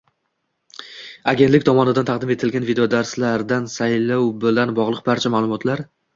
Agentlik tomonidan taqdim etilgan videodarslarda saylov bilan bog‘liq barcha ma’lumotlar